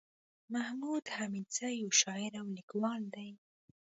محمود حميدزى يٶ شاعر او ليکوال دئ